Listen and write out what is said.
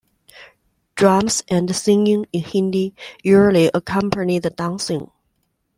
Drums and singing in Hindi usually accompany the dancing.